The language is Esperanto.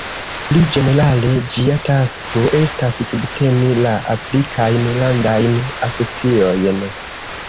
Pli ĝenerale ĝia tasko estas subteni la Afrikajn landajn asociojn.